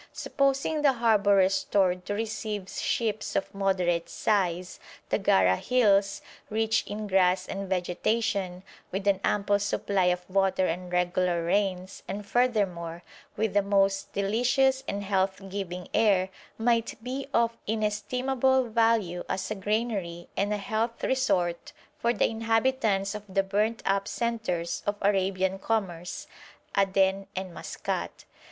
Supposing the harbour restored to receive ships of moderate size, the Gara hills, rich in grass and vegetation, with an ample supply of water and regular rains, and, furthermore, with a most delicious and health giving air, might be of inestimable value as a granary and a health resort for the inhabitants of the burnt up centres of Arabian commerce, Aden and Maskat.